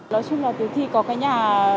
nói chung là từ khi có cái nhà